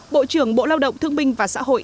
bộ trưởng bộ lao động thương binh và xã hội